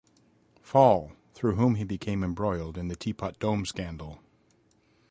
Fall, through whom he became embroiled in the Teapot Dome scandal.